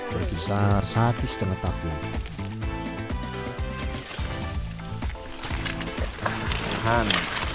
berbesar satu setengah tahun